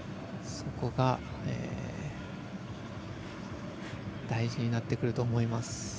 そこが、大事になってくると思います。